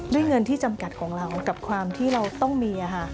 เงินที่จำกัดของเรากับความที่เราต้องมี